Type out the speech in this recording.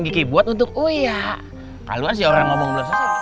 kiki buat untuk uya kalau sih orang ngomong